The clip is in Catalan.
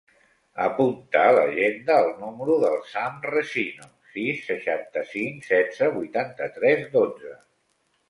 Apunta a l'agenda el número del Sam Resino: sis, seixanta-cinc, setze, vuitanta-tres, dotze.